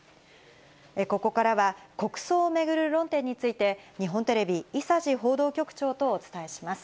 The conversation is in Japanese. ここからは、国葬を巡る論点について、日本テレビ、伊佐治報道局長とお伝えします。